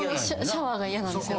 シャワーが嫌なんですよ。